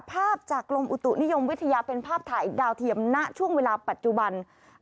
ภาพจากกรมอุตุนิยมวิทยาเป็นภาพถ่ายดาวเทียมณช่วงเวลาปัจจุบัน